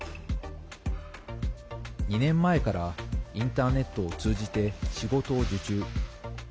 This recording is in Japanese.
２年前から、インターネットを通じて仕事を受注。